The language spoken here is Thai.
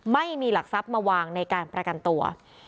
ไม่มีหลักทรัพย์มาวางในการประกันตัว